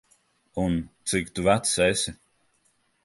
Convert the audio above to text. Un, cik tu vecs esi?